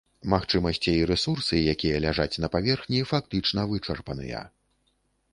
Магчымасці і рэсурсы, якія ляжаць на паверхні, фактычна вычарпаныя.